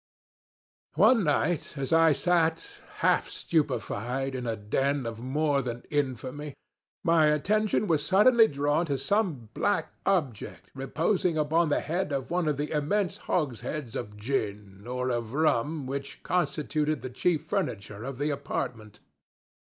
One night as I sat, half stupefied, in a den of more than infamy, my attention was suddenly drawn to some black object, reposing upon the head of one of the immense hogsheads of gin, or of rum, which constituted the chief furniture of the apartment.